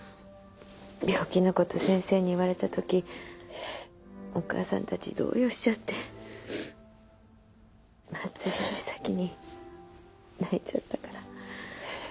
病気のこと先生に言われた時お母さんたち動揺しちゃって茉莉より先に泣いちゃったから。